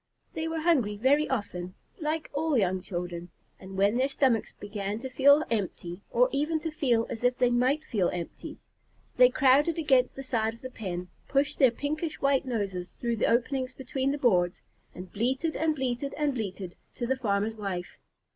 They were hungry very often, like all young children, and when their stomachs began to feel empty, or even to feel as if they might feel empty, they crowded against the side of the pen, pushed their pinkish white noses through the openings between the boards, and bleated and bleated and bleated to the farmer's wife.